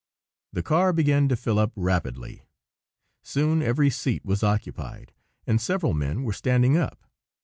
The car began to fill up rapidly. Soon every seat was occupied, and several men were standing up.